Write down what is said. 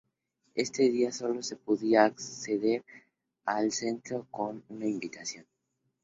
Este día sólo se podía acceder al centro con una invitación.